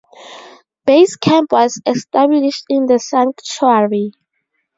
Base Camp was established in the Sanctuary.